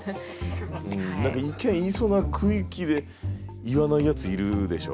何か一見言いそうな空気で言わないやついるでしょ？